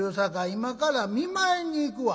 今から見舞いに行くわ」。